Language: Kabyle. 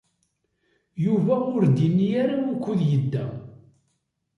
Yuba ur d-yenni ara wukud yedda.